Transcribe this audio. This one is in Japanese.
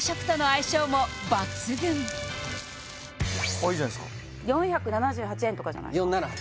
あいいじゃないですか４７８円とかじゃないですか４７８？